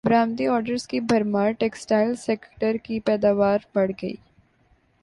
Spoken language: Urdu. برامدی ارڈرز کی بھرمار ٹیکسٹائل سیکٹرکی پیداوار بڑھ گئی